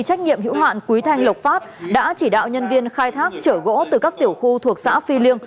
trách nhiệm hữu hạn quý thanh lộc phát đã chỉ đạo nhân viên khai thác trở gỗ từ các tiểu khu thuộc xã phi liêng